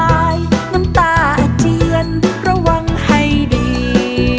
น้ำตาอาเจียนระวังให้ดี